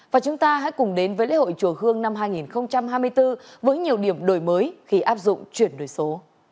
và chúng ta hãy cùng đến với lễ hội chùa hương năm hai nghìn hai mươi bốn với nhiều điểm đổi mới khi áp dụng chuyển đổi số